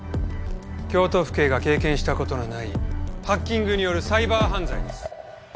京都府警が経験した事のないハッキングによるサイバー犯罪です。